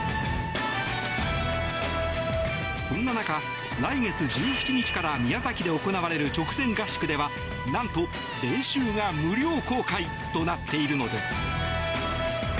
そんな中、来月１７日から宮崎で行われる直前合宿ではなんと練習が無料公開となっているのです。